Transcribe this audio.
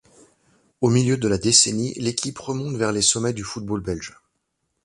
Au milieu de la décennie, l'équipe remonte vers les sommets du football belge.